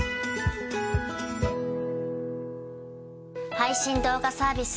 配信動画サービス